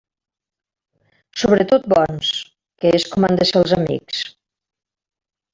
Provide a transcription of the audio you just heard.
Sobretot bons, que és com han de ser els amics.